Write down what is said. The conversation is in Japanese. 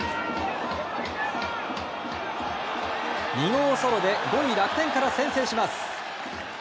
２号ソロで５位、楽天から先制します。